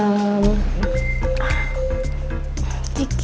para pebualan itu tuh